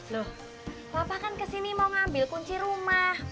loh papa kan ke sini mau ngambil kunci rumah